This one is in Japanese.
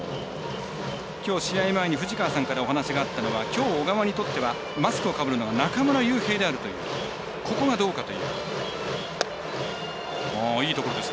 きょう試合前に藤川さんからお話があったのがきょう、小川にとってはマスクをかぶるのが中村悠平であるというここがどうかという。